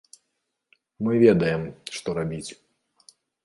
Мы ведаем, што рабіць.